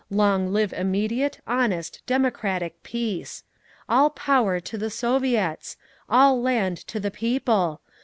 Long live immediate, honest, democratic peace! All power to the Soviets! All land to the people!